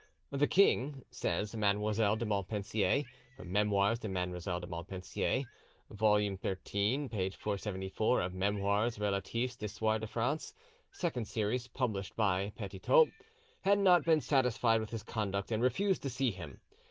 "The king," says Mademoiselle de Montpensier ('Memoires de Mademoiselle de Montpensier', vol. xliii. p. 474., of 'Memoires Relatifs d'Histoire de France', Second Series, published by Petitot), "had not been satisfied with his conduct and refused to see him.